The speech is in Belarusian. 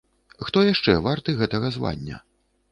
Хто яшчэ варты гэтага звання?